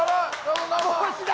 帽子だ！